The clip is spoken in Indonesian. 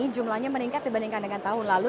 jumlahnya meningkat dibandingkan dengan tahun lalu